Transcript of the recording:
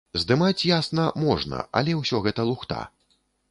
Здымаць, ясна, можна, але ўсё гэта лухта.